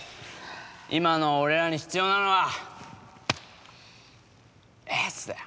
今の俺らに必要なのはエースだよ。